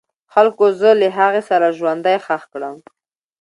خلکو زه له هغې سره ژوندی خښ کړم.